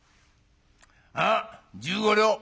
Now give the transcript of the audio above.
ああ１５両。